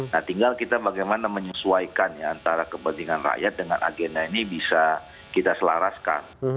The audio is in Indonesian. nah tinggal kita bagaimana menyesuaikan ya antara kepentingan rakyat dengan agenda ini bisa kita selaraskan